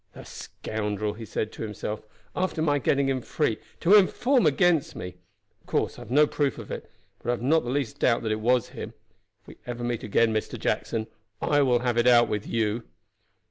"The scoundrel," he said to himself, "after my getting him free, to inform against me! Of course I have no proof of it, but I have not the least doubt that it was him. If we ever meet again, Mr. Jackson, I will have it out with you."